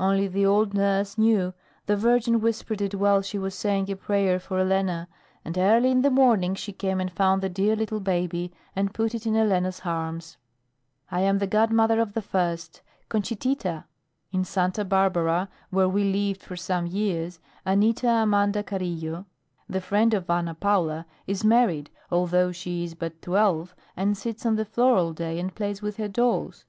Only the old nurse knew; the Virgin whispered it while she was saying a prayer for Elena; and early in the morning she came and found the dear little baby and put it in Elena's arms. I am the godmother of the first Conchitita. In Santa Barbara, where we lived for some years, Anita Amanda Carillo, the friend of Ana Paula, is married, although she is but twelve and sits on the floor all day and plays with her dolls.